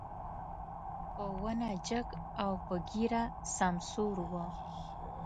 په ونه جګ او په ږيره سمسور و.